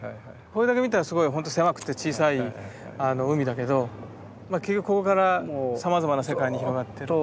これだけ見たらすごいほんと狭くて小さい海だけど結局ここからさまざまな世界に広がってる。